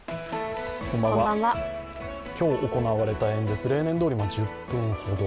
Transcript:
今日行われた演説、例年どおり１０分ほど。